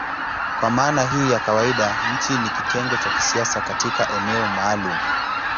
Kwa maana hii ya kawaida nchi ni kitengo cha kisiasa katika eneo maalumu.